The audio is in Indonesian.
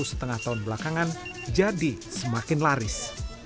satu setengah tahun belakangan jadi semakin laris